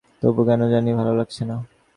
তবু কেন জানি ভালো লাগছে না।